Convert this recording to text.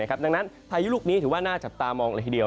ดังนั้นพายุลูกนี้ถือว่าน่าจับตามองเลยทีเดียว